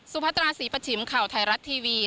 พัตราศรีประชิมข่าวไทยรัฐทีวี